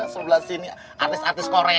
sebelah sini artis artis korea